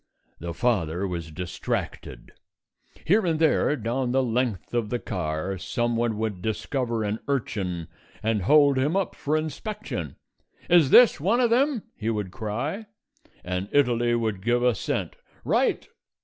The father was distracted. Here and there, down the length of the car, someone would discover an urchin and hold him up for inspection. "Is this one of them?" he would cry, and Italy would give assent. "Right!"